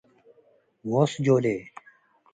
ዎስጆሌ